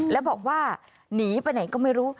แล้วบอกว่าหนีไปไหนก็ไม่รู้